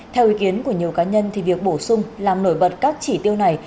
theo ý kiến của nhiều cá nhân việc bổ sung làm nổi bật các chỉ tiêu này